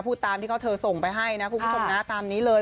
ตามที่เขาเธอส่งไปให้นะคุณผู้ชมนะตามนี้เลย